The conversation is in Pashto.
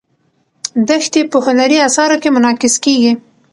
دښتې په هنري اثارو کې منعکس کېږي.